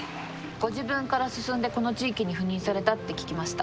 ご自分から進んでこの地域に赴任されたって聞きました。